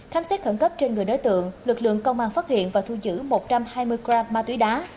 khám xét khẩn cấp trên người đối tượng lực lượng công an phát hiện và thu giữ một trăm hai mươi gram ma túy đá